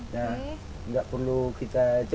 nah nggak perlu kita itu